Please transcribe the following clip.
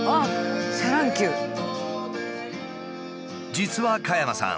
実は加山さん